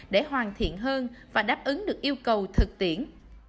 để hoàn thiện hơn và đáp ứng được yêu cầu thực tiễn